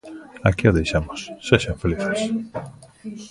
Aquí o deixamos, sexan felices.